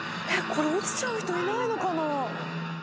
これ落ちちゃう人いないのかな？